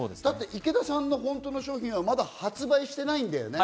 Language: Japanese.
池田さんの本当の商品はまだ発売していないんですよね。